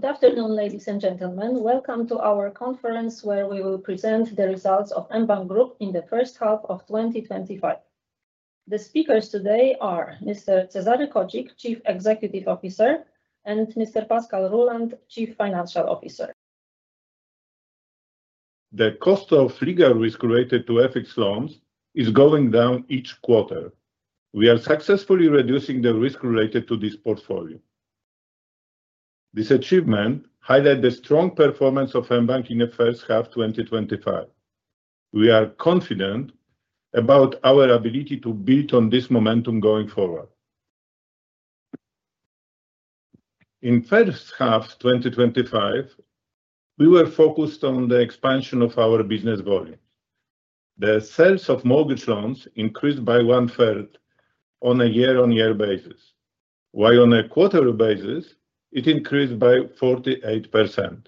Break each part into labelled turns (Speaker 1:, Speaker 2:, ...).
Speaker 1: Good afternoon, ladies and gentlemen. Welcome to our conference where we will present the results of mBank Group in the first half of 2025. The speakers today are Mr. Cezary Kocik, Chief Executive Officer, and Mr. Pascal Ruhland Ruhland, Chief Financial Officer.
Speaker 2: The cost of legal risk related to FX mortgage loans is going down each quarter. We are successfully reducing the risk related to this portfolio. This achievement highlights the strong performance of mBank in the first half of 2025. We are confident about our ability to build on this momentum going forward. In the first half of 2025, we were focused on the expansion of our business volumes. The sales of mortgage loans increased by one-third on a year-on-year basis, while on a quarterly basis it increased by 48%.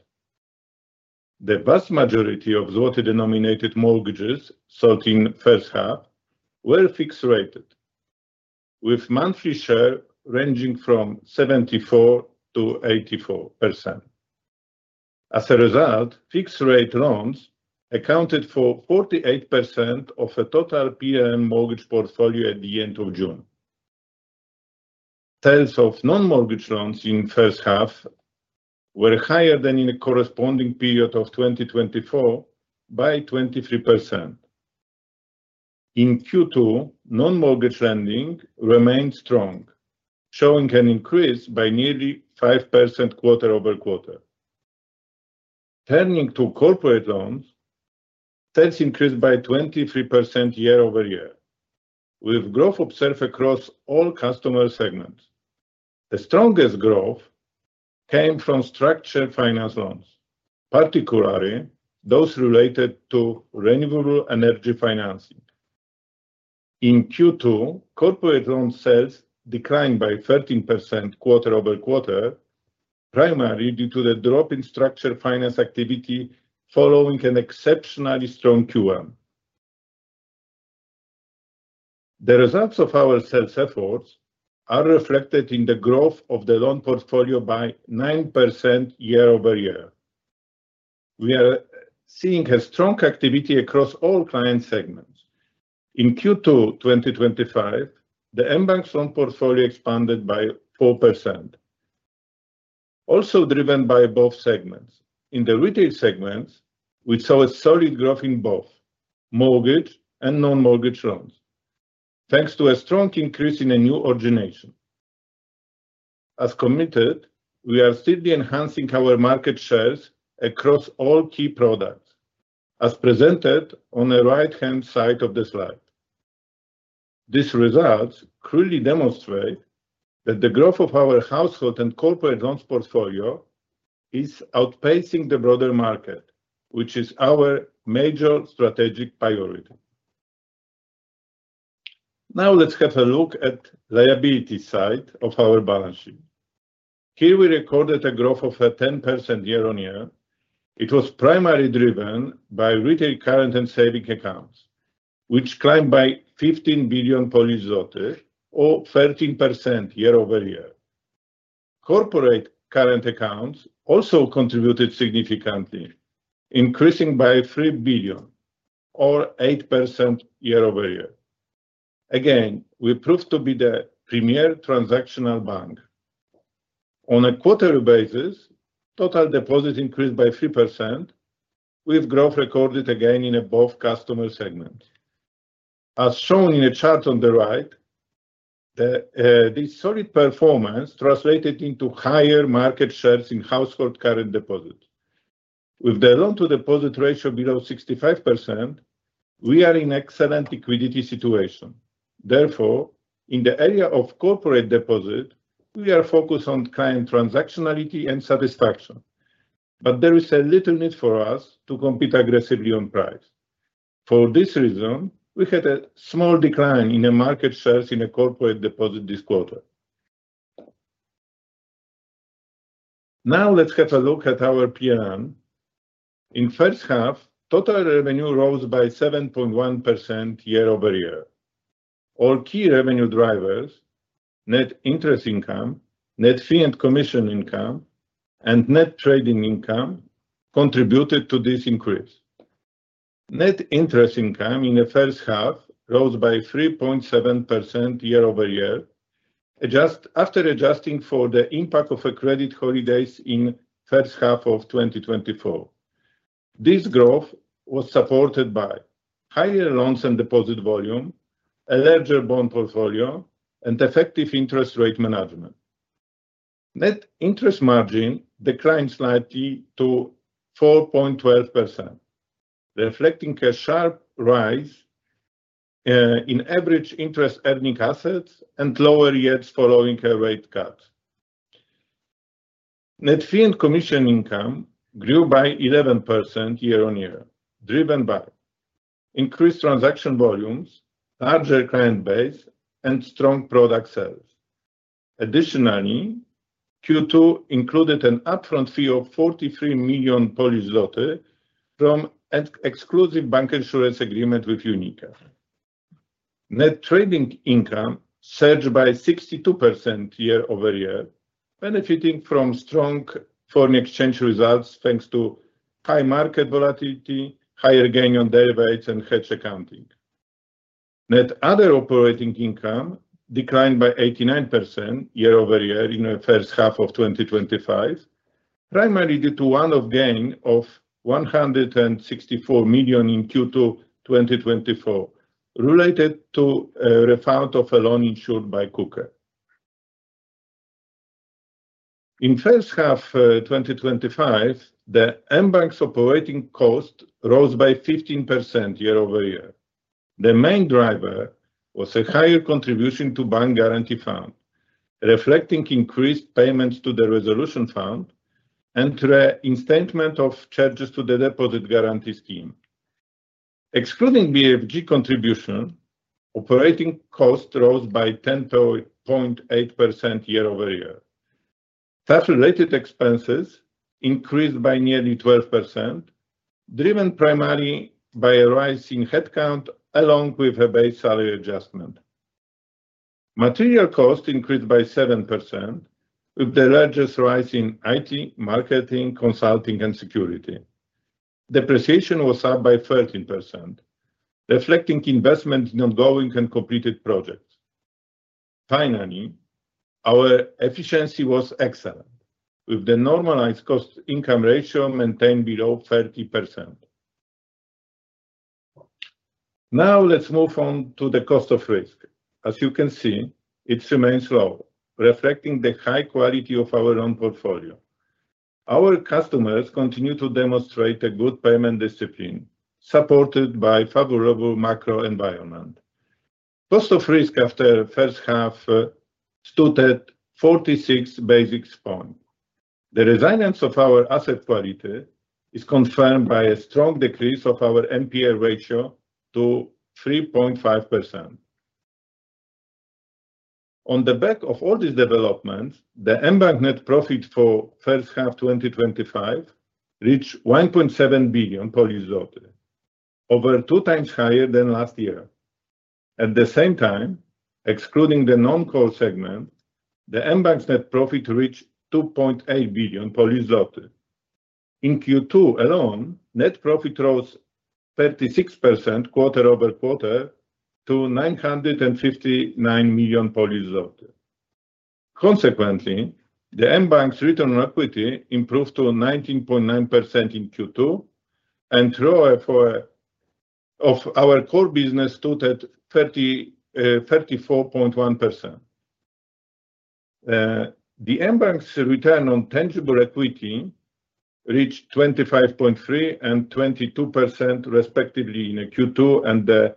Speaker 2: The vast majority of [PLN-denominated] mortgages sold in the first half were fixed-rate, with monthly shares ranging from 74% -84%. As a result, fixed-rate loans accounted for 48% of the total PLN mortgage portfolio at the end of June. Sales of non-mortgage loans in the first half were higher than in the corresponding period of 2024 by 23%. In Q2, non-mortgage lending remained strong, showing an increase by nearly 5% quarter-over-quarter. Turning to corporate loans, sales increased by 23% year-over-year, with growth observed across all customer segments. The strongest growth came from structured finance loans, particularly those related to renewable energy financing. In Q2, corporate loan sales declined by 13% quarter-over-quarter, primarily due to the drop in structured finance activity following an exceptionally strong Q1. The results of our sales efforts are reflected in the growth of the loan portfolio by 9% year-over-year. We are seeing strong activity across all client segments. In Q2 2025, the mBank loan portfolio expanded by 4%, also driven by both segments. In the retail segments, we saw solid growth in both mortgage and non-mortgage loans, thanks to a strong increase in new origination. As committed, we are steadily enhancing our market shares across all key products, as presented on the right-hand side of the slide. These results clearly demonstrate that the growth of our household and corporate loans portfolio is outpacing the broader market, which is our major strategic priority. Now let's have a look at the liability side of our balance sheet. Here we recorded a growth of 10% year-on-year. It was primarily driven by retail current and savings accounts, which climbed by 15 billion Polish zlotys, or 13% year-over-year. Corporate current accounts also contributed significantly, increasing by 3 billion, or 8% year-over-year. Again, we proved to be the premier transactional bank. On a quarterly basis, total deposits increased by 3%. With growth recorded again in both customer segments, as shown in the chart on the right, this solid performance translated into higher market shares in household current deposits. With the loan-to-deposit ratio below 65%, we are in an excellent liquidity situation. Therefore, in the area of corporate deposits, we are focused on client transactionality and satisfaction, but there is little need for us to compete aggressively on price. For this reason, we had a small decline in market shares in corporate deposits this quarter. Now let's have a look at our PLN. In the first half, total revenue rose by 7.1% year-over-year. All key revenue drivers—net interest income, net fee and commission income, and net trading income—contributed to this increase. Net interest income in the first half rose by 3.7% year-over-year, just after adjusting for the impact of credit holidays in the first half of 2024. This growth was supported by higher loans and deposit volume, a larger bond portfolio, and effective interest rate management. Net interest margin declined slightly to 4.12%, reflecting a sharp rise in average interest-earning assets and lower yields following a rate cut. Net fee and commission income grew by 11% year-on-year, driven by increased transaction volumes, larger client base, and strong product sales. Additionally, Q2 included an upfront fee of 43 million Polish zlotys from an exclusive bank insurance agreement with UNIQA. Net trading income surged by 62% year-over-year, benefiting from strong foreign exchange results thanks to high market volatility, higher gain on derivatives, and hedge accounting. Net other operating income declined by 89% year-over-year in the first half of 2025, primarily due to a one-off gain of 164 million in Q2 2024, related to a refund of a loan issued by Kuker. In the first half of 2025, mBank's operating cost rose by 15% year-over-year. The main driver was a higher contribution to the bank guarantee fund, reflecting increased payments to the resolution fund and reinstatement of charges to the deposit guarantee scheme. Excluding BFG contribution, operating cost rose by 10.8% year-over-year. Tax-related expenses increased by nearly 12%, driven primarily by a rising headcount along with a base salary adjustment. Material cost increased by 7%, with the largest rise in IT, marketing, consulting, and security. Depreciation was up by 13%, reflecting investment in ongoing and completed projects. Finally, our efficiency was excellent, with the normalized cost-to-income ratio maintained below 30%. Now let's move on to the cost of risk. As you can see, it remains low, reflecting the high quality of our loan portfolio. Our customers continue to demonstrate a good payment discipline, supported by a favorable macro environment. Cost of risk after the first half stood at 46 basis points. The resilience of our asset quality is confirmed by a strong decrease of our NPL ratio to 3.5%. On the back of all these developments, the mBank net profit for the first half of 2025 reached 1.7 billion, over two times higher than last year. At the same time, excluding the non-core segments, the mBank's net profit reached 2.8 billion zloty. In Q2 alone, net profit rose 36% quarter-over-quarter to PLN 959 million. Consequently, the mBank's return on equity improved to 19.9% in Q2, and ROE for our core business stood at 34.1%. The mBank's return on tangible equity reached 25.3% and 22% respectively in Q2 and the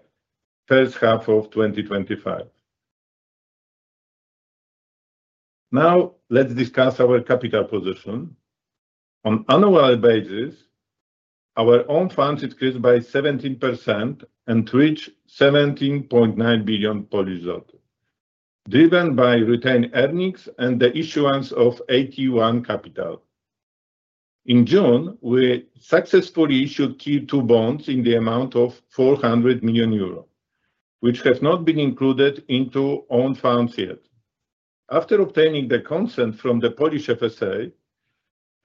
Speaker 2: first half of 2025. Now let's discuss our capital position. On an annual basis, our own funds increased by 17% and reached 17.9 billion Polish zloty, driven by retained earnings and the issuance of Tier 2 capital. In June, we successfully issued Q2 bonds in the amount of 400 million euro, which have not been included into own funds yet. After obtaining the consent from the Polish FSA,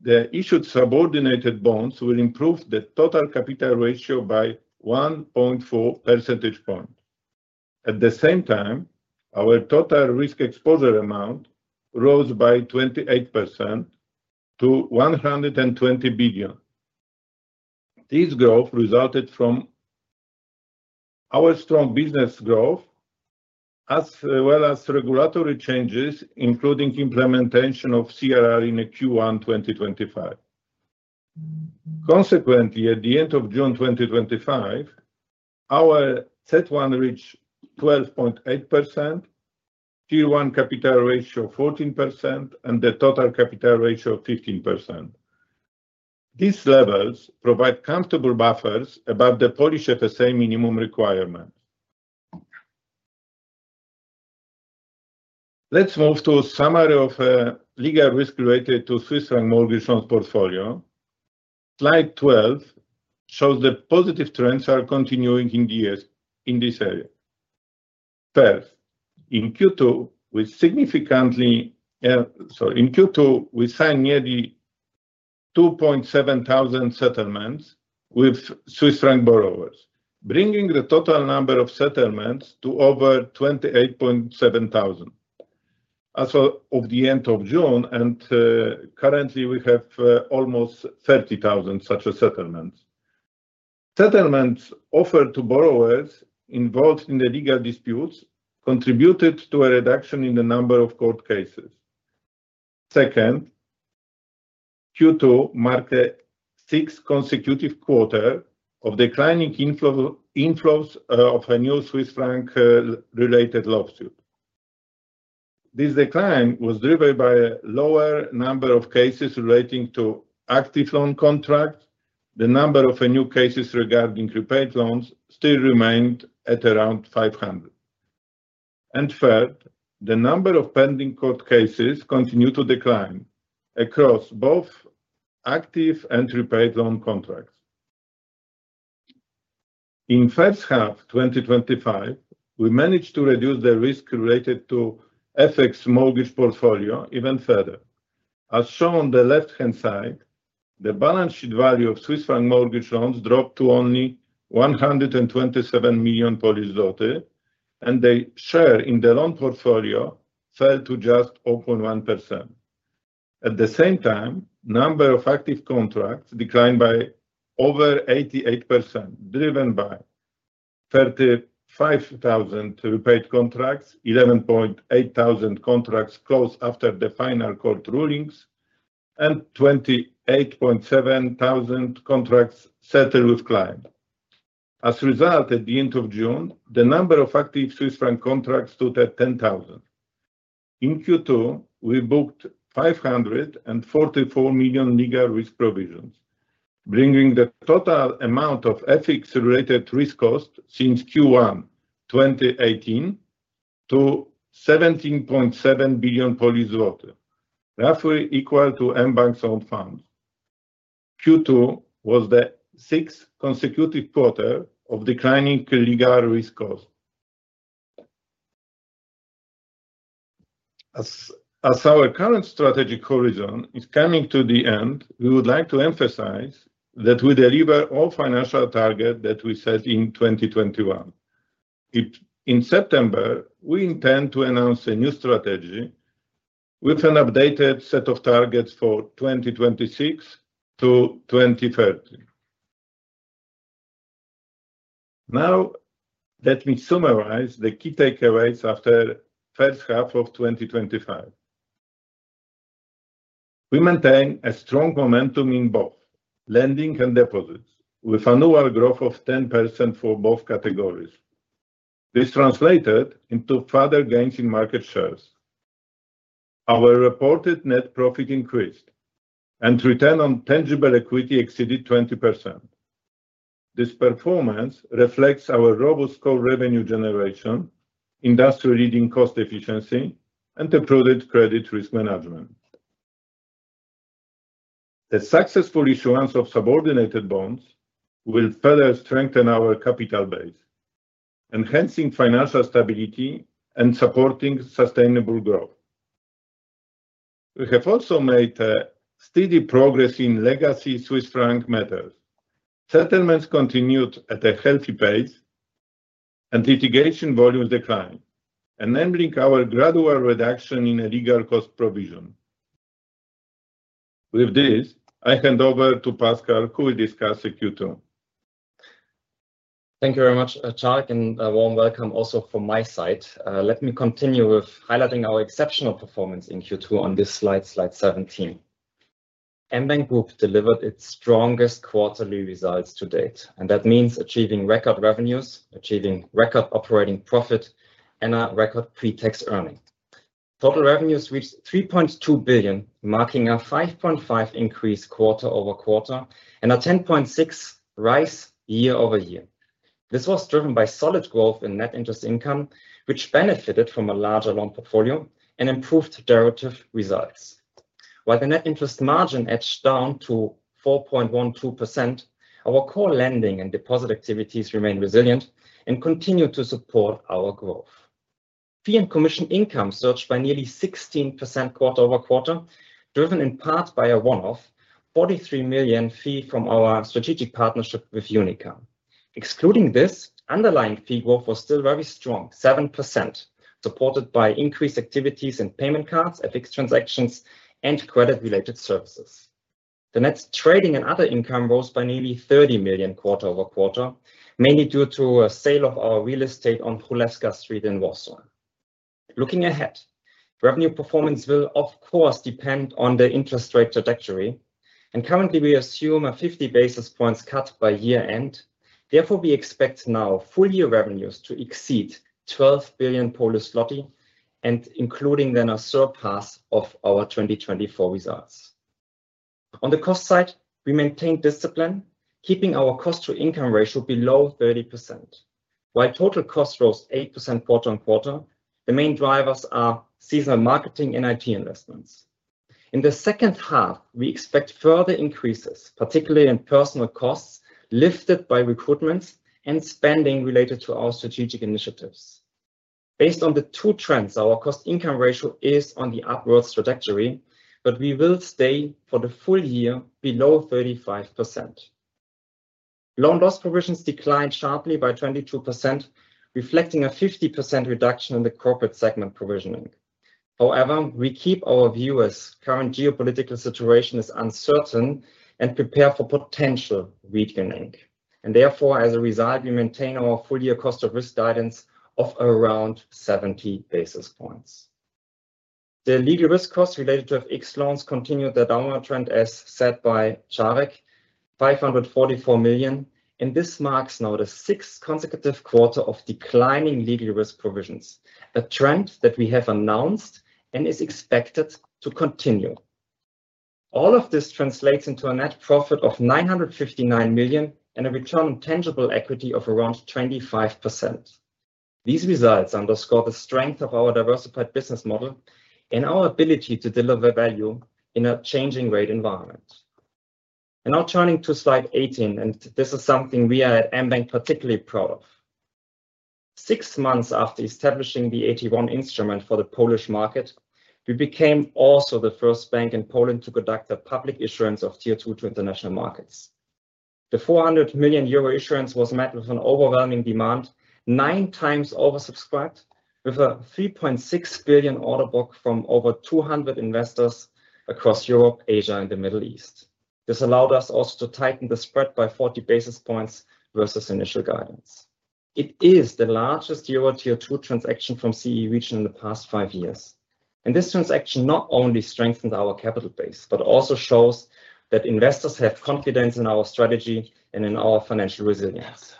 Speaker 2: the issued subordinated bonds will improve the total capital ratio by 1.4 percentage points. At the same time, our total risk exposure amount rose by 28% to 120 billion. This growth resulted from our strong business growth as well as regulatory changes, including implementation of CRR in Q1 2025. Consequently, at the end of June 2025, our CET1 reached 12.8%, Q1 capital ratio 14%, and the total capital ratio 15%. These levels provide comfortable buffers above the Polish FSA minimum requirement. Let's move to a summary of legal risk related to Swiss franc mortgage loans portfolio. Slide 12 shows the positive trends are continuing in this area. First, in Q2, we signed nearly 2,700 settlements with Swiss franc borrowers, bringing the total number of settlements to over 28,700 as of the end of June, and currently we have almost 30,000 such settlements. Settlements offered to borrowers involved in the legal disputes contributed to a reduction in the number of court cases. Second. Q2 marked a sixth consecutive quarter of declining inflows of a new Swiss franc-related lawsuit. This decline was driven by a lower number of cases relating to active loan contracts. The number of new cases regarding repaid loans still remained at around 500. Third, the number of pending court cases continued to decline across both active and repaid loan contracts. In the first half of 2025, we managed to reduce the risk related to FX mortgage portfolio even further. As shown on the left-hand side, the balance sheet value of Swiss franc mortgage loans dropped to only 127 million Polish zloty, and the share in the loan portfolio fell to just 0.1%. At the same time, the number of active contracts declined by over 88%, driven by 35,000 repaid contracts, 11.8 thousand contracts closed after the final court rulings, and 28.7 thousand contracts settled with clients. As a result, at the end of June, the number of active Swiss franc contracts stood at 10,000. In Q2, we booked 544 million legal risk provisions, bringing the total amount of FX-related risk cost since Q1 2018 to 17.7 billion, roughly equal to mBank's owned funds. Q2 was the sixth consecutive quarter of declining legal risk cost. As our current strategic horizon is coming to the end, we would like to emphasize that we deliver all financial targets that we set in 2021. In September, we intend to announce a new strategy with an updated set of targets for 2026-2030. Now, let me summarize the key takeaways after the first half of 2025. We maintain a strong momentum in both lending and deposits, with annual growth of 10% for both categories. This translated into further gains in market shares. Our reported net profit increased, and return on tangible equity exceeded 20%. This performance reflects our robust core revenue generation, industry-leading cost efficiency, and approved credit risk management. The successful issuance of subordinated bonds will further strengthen our capital base, enhancing financial stability and supporting sustainable growth. We have also made steady progress in legacy Swiss franc matters. Settlements continued at a healthy pace, and litigation volumes declined, enabling our gradual reduction in legal cost provision. With this, I hand over to Pascal Ruhland, who will discuss Q2.
Speaker 3: Thank you very much, Cezary Kocik, and a warm welcome also from my side. Let me continue with highlighting our exceptional performance in Q2 on this slide, slide 17. mBank Group delivered its strongest quarterly results to date, and that means achieving record revenues, achieving record operating profit, and a record pre-tax earning. Total revenues reached 3.2 billion, marking a 5.5% increase quarter-over-quarter and a 10.6% rise year-over-year. This was driven by solid growth in net interest income, which benefited from a larger loan portfolio and improved derivative results. While the net interest margin edged down to 4.12%, our core lending and deposit activities remained resilient and continued to support our growth. Fee and commission income surged by nearly 16% quarter-over-quarter, driven in part by a one-off 43 million fee from our strategic partnership with UNIQA. Excluding this, underlying fee growth was still very strong, 7%, supported by increased activities in payment cards, FX transactions, and credit-related services. The net trading and other income rose by nearly 30 million quarter-over-quarter, mainly due to a sale of our real estate on Hulewska Street in Warsaw. Looking ahead, revenue performance will, of course, depend on the interest rate trajectory, and currently we assume a 50 basis points cut by year-end. Therefore, we expect now full-year revenues to exceed 12 billion, including then a surplus of our 2024 results. On the cost side, we maintained discipline, keeping our cost-to-income ratio below 30%. While total cost rose 8% quarter-on-quarter, the main drivers are seasonal marketing and IT investments. In the second half, we expect further increases, particularly in personnel costs lifted by recruitments and spending related to our strategic initiatives. Based on the two trends, our cost-to-income ratio is on the upward trajectory, but we will stay for the full year below 35%. Loan loss provisions declined sharply by 22%, reflecting a 50% reduction in the corporate segment provisioning. However, we keep our view as current geopolitical situation is uncertain and prepare for potential weakening. Therefore, as a result, we maintain our full-year cost of risk guidance of around 70 basis points. The legal risk costs related to FX mortgage loans continued the downward trend, as said by Cezary, 544 million, and this marks now the sixth consecutive quarter of declining legal risk provisions, a trend that we have announced and is expected to continue. All of this translates into a net profit of 959 million and a return on tangible equity of around 25%. These results underscore the strength of our diversified business model and our ability to deliver value in a changing rate environment. Now turning to slide 18, and this is something we are at mBank particularly proud of. Six months after establishing the 81 instrument for the Polish market, we became also the first bank in Poland to conduct a public issuance of Tier II to international markets. The 400 million euro issuance was met with overwhelming demand, nine times oversubscribed, with a 3.6 billion order book from over 200 investors across Europe, Asia, and the Middle East. This allowed us also to tighten the spread by 40 basis points versus initial guidance. It is the largest EUR Tier II transaction from the CE region in the past five years. This transaction not only strengthens our capital base, but also shows that investors have confidence in our strategy and in our financial resilience.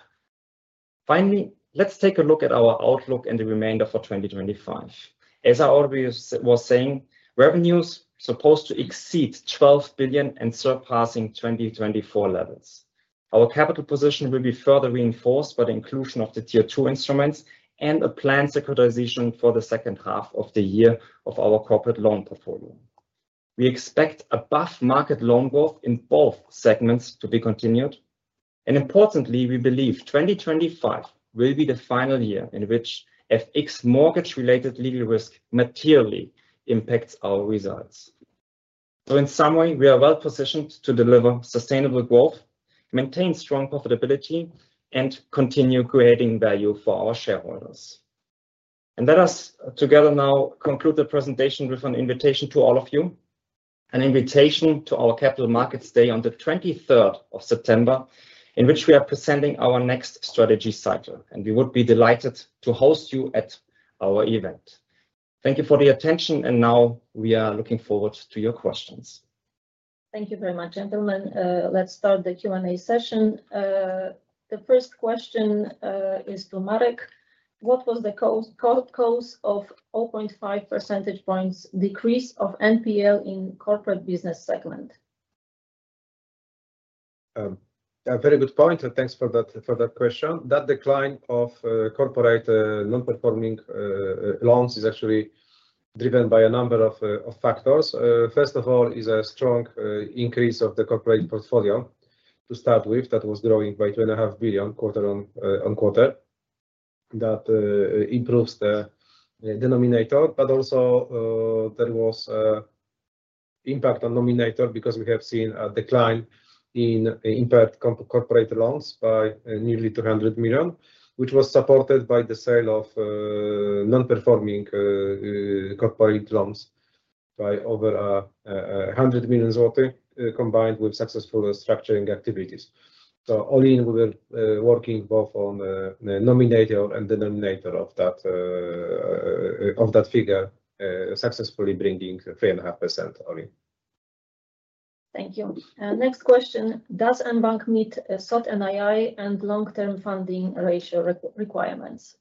Speaker 3: Finally, let's take a look at our outlook and the remainder for 2025. As I already was saying, revenues are supposed to exceed 12 billion and surpass 2024 levels. Our capital position will be further reinforced by the inclusion of the Tier II instruments and a planned securitization for the second half of the year of our corporate loan portfolio. We expect above-market loan growth in both segments to be continued. Importantly, we believe 2025 will be the final year in which FX mortgage-related legal risk materially impacts our results. In summary, we are well positioned to deliver sustainable growth, maintain strong profitability, and continue creating value for our shareholders. Let us together now conclude the presentation with an invitation to all of you, an invitation to our Capital Markets Day on the 23rd of September, in which we are presenting our next strategy cycle. We would be delighted to host you at our event. Thank you for the attention, and now we are looking forward to your questions.
Speaker 1: Thank you very much, gentlemen. Let's start the Q&A session. The first question is to [Marek]. What was the cause of the 0.5 percentage points decrease of NPL in the corporate business segment?
Speaker 2: A very good point, and thanks for that question. That decline of corporate non-performing loans is actually driven by a number of factors. First of all, it is a strong increase of the corporate portfolio to start with that was growing by 2.5 billion quarter-on-quarter. That improves the denominator, but also. There was. An impact on the nominator because we have seen a decline in impaired corporate loans by nearly 200 million, which was supported by the sale of non-performing corporate loans by over 100 million zloty combined with successful structuring activities. All in, we were working both on the nominator and denominator of that figure, successfully bringing 3.5% all in. Thank you.
Speaker 1: Next question. Does mBank meet SOT and [II] and long-term funding ratio requirements?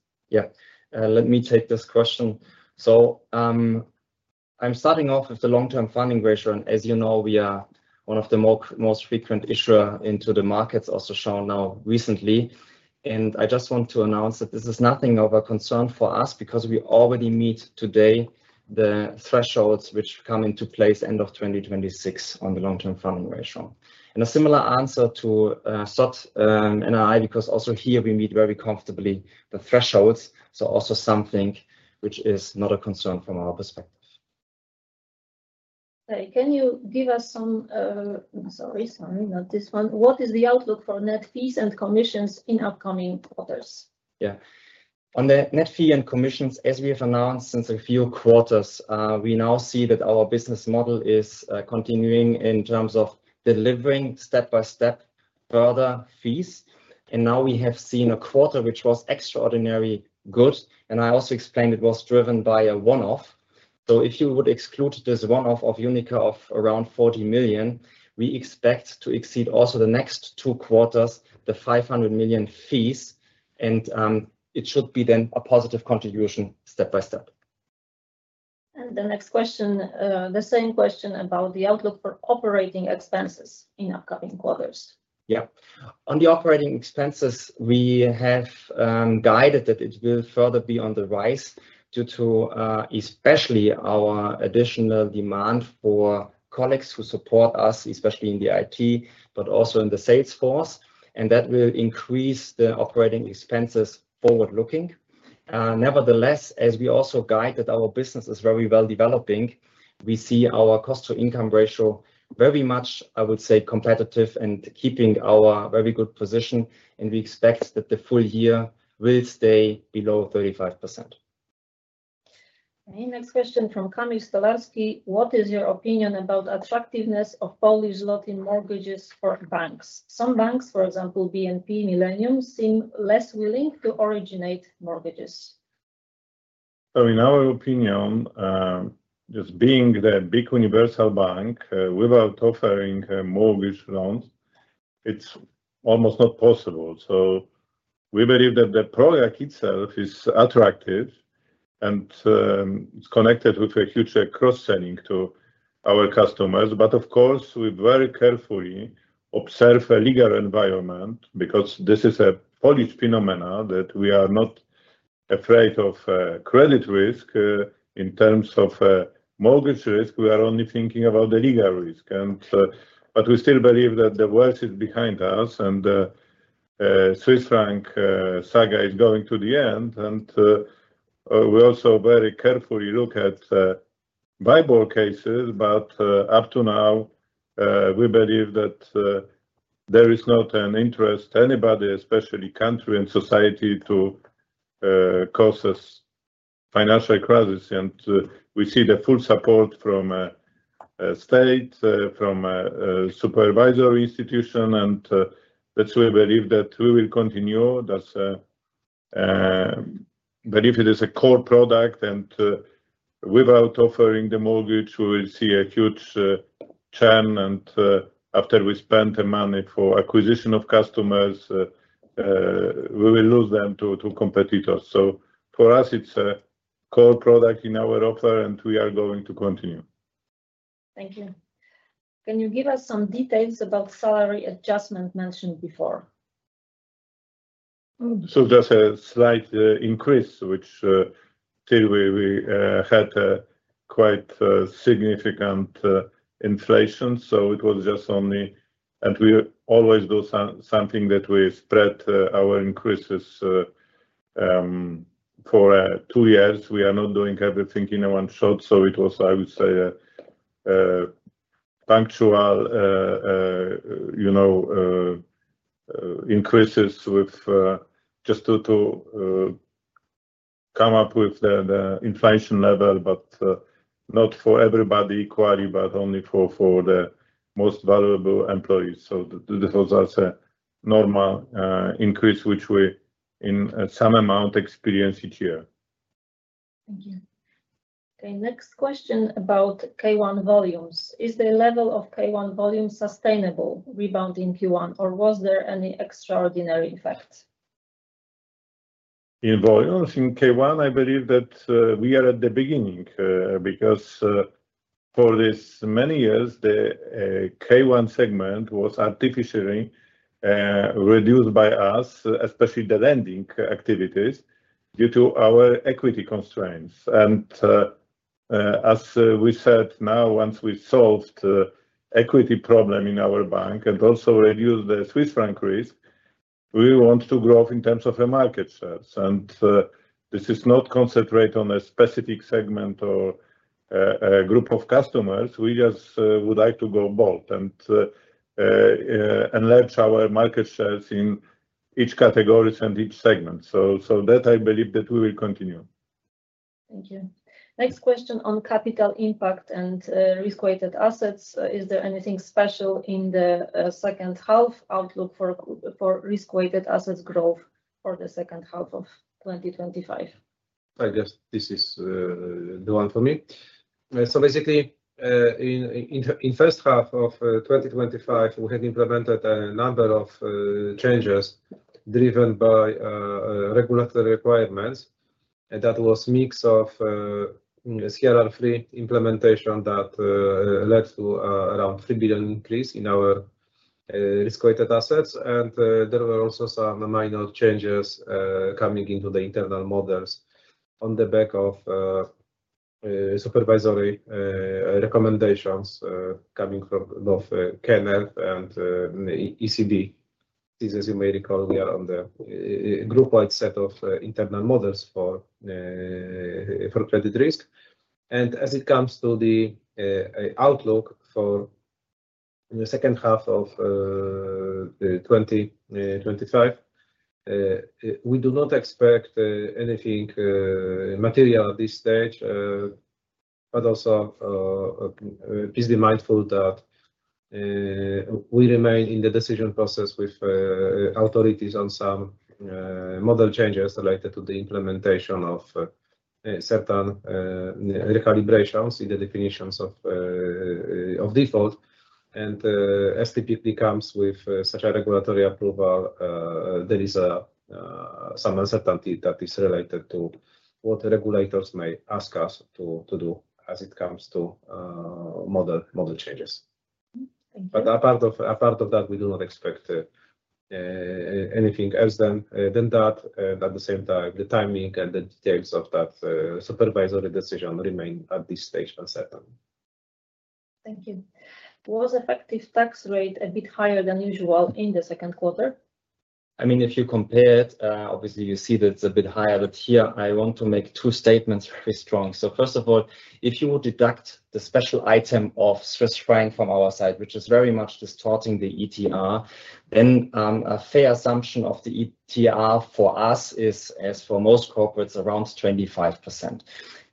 Speaker 3: Let me take this question. I'm starting off with the long-term funding ratio, and as you know, we are one of the most frequent issuers into the markets, also shown now recently. I just want to announce that this is nothing of a concern for us because we already meet today the thresholds which come into place end of 2026 on the long-term funding ratio. A similar answer to SOT and [II] because also here we meet very comfortably the thresholds, so also something which is not a concern from our perspective.
Speaker 1: What is the outlook for net fees and commissions in upcoming quarters?
Speaker 3: On the net fee and commissions, as we have announced since a few quarters, we now see that our business model is continuing in terms of delivering step-by-step further fees. We have seen a quarter which was extraordinarily good, and I also explained it was driven by a one-off. If you would exclude this one-off of UNIQA of around 40 million, we expect to exceed also the next two quarters, the 500 million fees, and it should be then a positive contribution step by step.
Speaker 1: The next question, the same question about the outlook for operating expenses in upcoming quarters.
Speaker 3: On the operating expenses, we have guided that it will further be on the rise due to especially our additional demand for colleagues who support us, especially in IT, but also in the sales force, and that will increase the operating expenses forward-looking. Nevertheless, as we also guide that our business is very well developing, we see our cost-to-income ratio very much, I would say, competitive and keeping our very good position, and we expect that the full year will stay below 35%.
Speaker 1: Next question from Kamil Stolarski. What is your opinion about the attractiveness of Polish zloty mortgages for banks? Some banks, for example, BNP Millennium, seem less willing to originate mortgages.
Speaker 2: I mean, in our opinion. Just being the big universal bank without offering a mortgage loan, it's almost not possible. We believe that the product itself is attractive and it's connected with a huge cross-selling to our customers. Of course, we very carefully observe a legal environment because this is a Polish phenomenon that we are not afraid of credit risk in terms of mortgage risk. We are only thinking about the legal risk. We still believe that the world is behind us and the Swiss franc saga is going to the end. We also very carefully look at Bible cases, but up to now we believe that there is not an interest, anybody, especially country and society, to cause us financial crisis. We see the full support from state, from a supervisory institution, and that's why we believe that we will continue. If it is a core product and without offering the mortgage, we will see a huge churn. After we spend the money for acquisition of customers, we will lose them to competitors. For us, it's a core product in our offer, and we are going to continue.
Speaker 1: Thank you. Can you give us some details about salary adjustment mentioned before?
Speaker 2: Just a slight increase, which still we had quite significant inflation. It was just only, and we always do something that we spread our increases for two years. We are not doing everything in one shot. It was, I would say, punctual increases just to come up with the inflation level, but not for everybody equally, but only for the most valuable employees. This was a normal increase, which we in some amount experience each year.
Speaker 1: Thank you. Okay. Next question about K1 volumes. Is the level of K1 volume sustainable rebounding Q1, or was there any extraordinary effect?
Speaker 2: In volumes in K1, I believe that we are at the beginning because for this many years, the K1 segment was artificially reduced by us, especially the lending activities, due to our equity constraints. As we said now, once we solved the equity problem in our bank and also reduced the Swiss franc risk, we want to grow in terms of market shares. This is not concentrated on a specific segment or a group of customers. We just would like to go bold and enlarge our market shares in each category and each segment. I believe that we will continue.
Speaker 1: Thank you. Next question on capital impact and risk-weighted assets. Is there anything special in the second half outlook for risk-weighted assets growth for the second half of 2025?
Speaker 2: I guess this is the one for me. Basically, in the first half of 2025, we had implemented a number of changes driven by regulatory requirements. That was a mix of CRR3 implementation that led to around 3 billion increase in our risk-weighted assets. There were also some minor changes coming into the internal models on the back of supervisory recommendations coming from both KNF and ECB. As you may recall, we are on the group-wide set of internal models for credit risk. As it comes to the outlook for the second half of 2025, we do not expect anything material at this stage. Please be mindful that we remain in the decision process with authorities on some model changes related to the implementation of certain recalibrations in the definitions of default. As typically comes with such a regulatory approval, there is some uncertainty that is related to what regulators may ask us to do as it comes to model changes. Apart from that, we do not expect anything else than that. At the same time, the timing and the details of that supervisory decision remain at this stage uncertain.
Speaker 1: Thank you. Was effective tax rate a bit higher than usual in the Q2?
Speaker 3: I mean, if you compare it, obviously, you see that it's a bit higher. Here, I want to make two statements very strong. First of all, if you would deduct the special item of Swiss franc from our side, which is very much distorting the ETR, then a fair assumption of the ETR for us is, as for most corporates, around 25%.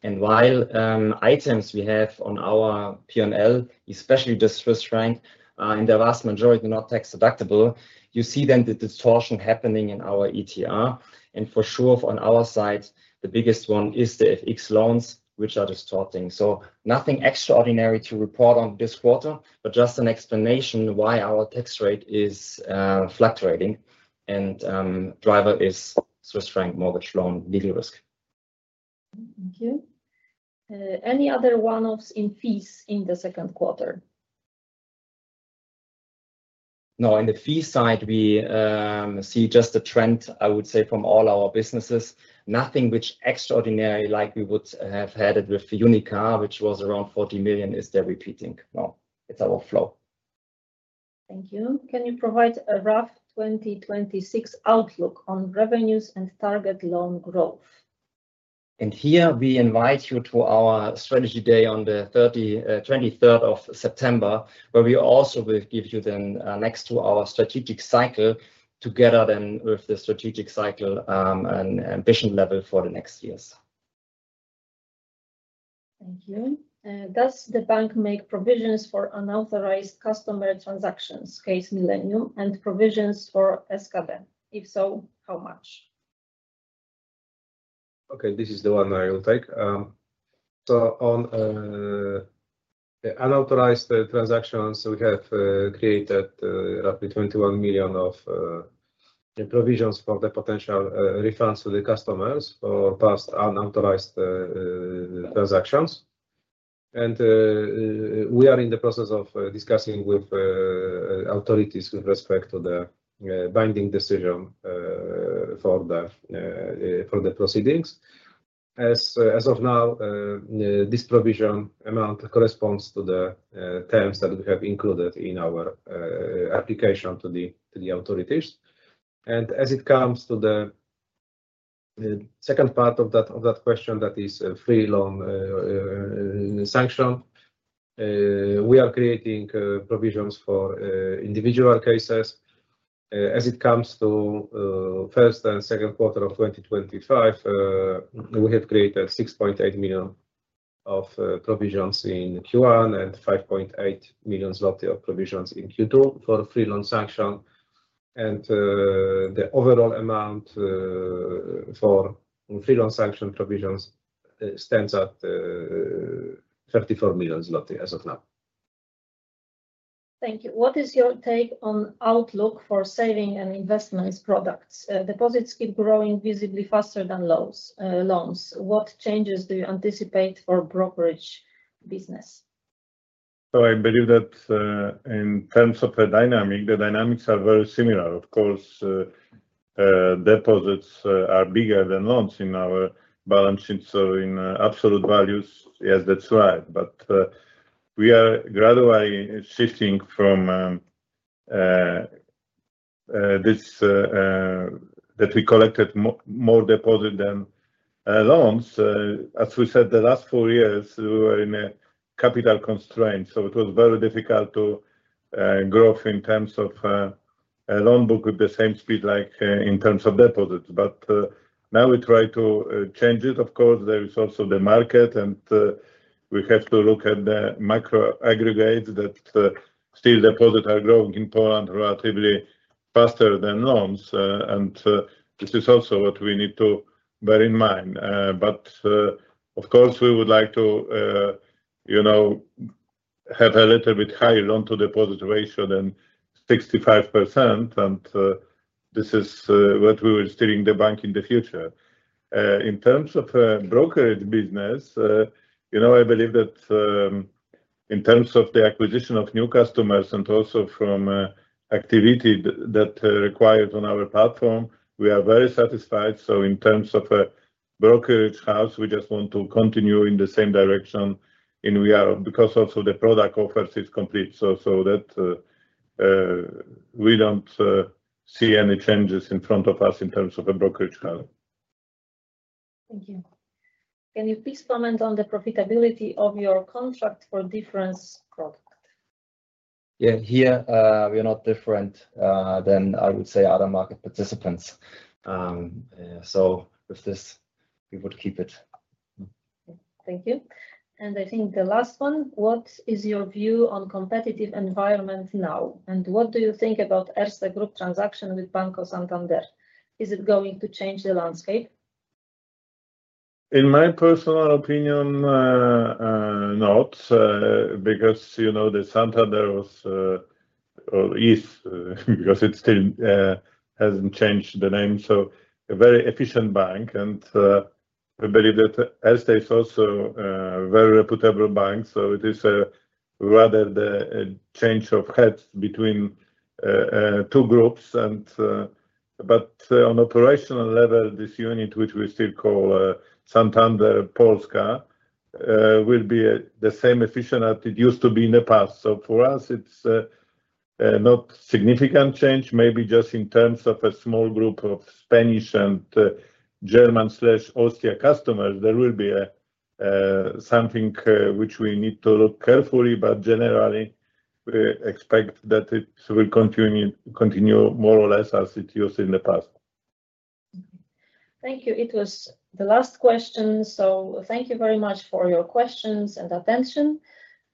Speaker 3: While items we have on our P&L, especially the Swiss franc, in the vast majority are not tax deductible, you see then the distortion happening in our ETR. For sure, on our side, the biggest one is the FX loans, which are distorting. Nothing extraordinary to report on this quarter, just an explanation why our tax rate is fluctuating and driver is Swiss franc mortgage loan legal risk.
Speaker 1: Thank you. Any other one-offs in fees in the Q2?
Speaker 3: No. In the fee side, we see just a trend, I would say, from all our businesses. Nothing which extraordinary like we would have had it with UNIQA, which was around 40 million, is there repeating. No. It's our flow.
Speaker 1: Thank you. Can you provide a rough 2026 outlook on revenues and target loan growth?
Speaker 3: We invite you to our strategy day on the 23rd of September, where we also will give you then next to our strategic cycle together with the strategic cycle and ambition level for the next years.
Speaker 1: Thank you. Does the bank make provisions for unauthorized customer transactions, case Millennium, and provisions for SKB? If so, how much?
Speaker 2: This is the one I will take. On unauthorized transactions, we have created roughly 21 million of provisions for the potential refunds to the customers for past unauthorized transactions. We are in the process of discussing with authorities with respect to the binding decision for the proceedings. As of now, this provision amount corresponds to the terms that we have included in our application to the authorities. As it comes to the second part of that question, that is free loan sanction, we are creating provisions for individual cases. As it comes to first and Q2 of 2025, we have created 6.8 million of provisions in Q1 and 5.8 million zloty of provisions in Q2 for free loan sanction. The overall amount for free loan sanction provisions stands at 34 million zloty as of now.
Speaker 1: Thank you. What is your take on outlook for saving and investment products? Deposits keep growing visibly faster than loans. What changes do you anticipate for brokerage business?
Speaker 2: I believe that in terms of a dynamic, the dynamics are very similar. Of course, deposits are bigger than loans in our balance sheets, so in absolute values, yes, that's right. We are gradually shifting from this, that we collected more deposit than loans. The last four years, we were in a capital constraint, so it was very difficult to grow in terms of a loan book with the same speed like in terms of deposits. Now we try to change it. Of course, there is also the market, and we have to look at the macro aggregates that still deposits are growing in Poland relatively faster than loans, and this is also what we need to bear in mind. We would like to have a little bit higher loan-to-deposit ratio than 65%. This is what we will still in the bank in the future. In terms of brokerage business, I believe that in terms of the acquisition of new customers and also from activity that required on our platform, we are very satisfied. In terms of a brokerage house, we just want to continue in the same direction because also the product offer is complete so that we don't. See any changes in front of us in terms of a brokerage house.
Speaker 1: Thank you. Can you please comment on the profitability of your contract for different product?
Speaker 3: Yeah. Here, we are not different than, I would say, other market participants. With this, we would keep it.
Speaker 1: Thank you. I think the last one, what is your view on competitive environment now? What do you think about Erste Group transaction with Banco Santander? Is it going to change the landscape?
Speaker 2: In my personal opinion, not. Because the Santander was, or is, because it still hasn't changed the name, a very efficient bank. I believe that Erste is also a very reputable bank. It is rather the change of heads between two groups. On operational level, this unit, which we still call Santander Polska, will be the same efficient as it used to be in the past. For us, it's not a significant change, maybe just in terms of a small group of Spanish and German/Austria customers. There will be something which we need to look carefully. Generally, we expect that it will continue more or less as it used to in the past.
Speaker 1: Thank you. It was the last question. Thank you very much for your questions and attention.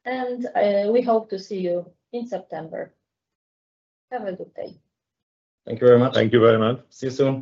Speaker 1: We hope to see you in September. Have a good day.
Speaker 2: Thank you very much.
Speaker 1: Thank you very much. See you soon.